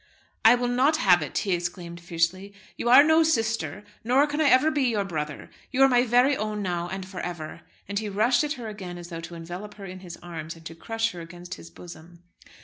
"I will not have it," he exclaimed fiercely. "You are no sister, nor can I ever be your brother. You are my very own now, and for ever." And he rushed at her again as though to envelop her in his arms, and to crush her against his bosom.